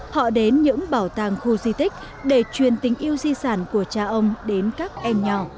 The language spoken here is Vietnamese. họ đến những bảo tàng khu di tích để truyền tình yêu di sản của cha ông đến các em nhỏ